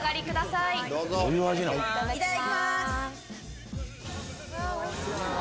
いただきます。